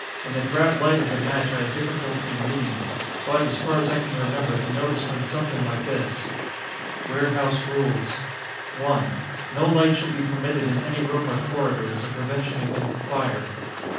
In the drab light of the match I had difficulty in reading it but, as far as I can remember, the notice went something like this: WAREHOUSE RULES 1. No light shall be permitted in any room or corridor, as a prevention against fire.